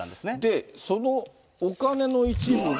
そのお金の一部が。